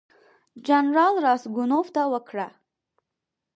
جنرال راسګونوف ته وکړه.